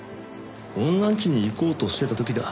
女ん家に行こうとしてた時だ。